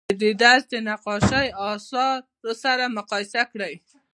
د دې درس د نقاشۍ اثار سره مقایسه کړئ.